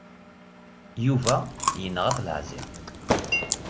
Yuba yenɣa-t leɛziṛ.